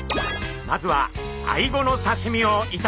まずはアイゴの刺身を頂きましょう。